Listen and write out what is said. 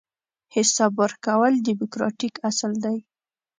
حساب ورکول دیموکراتیک اصل دی.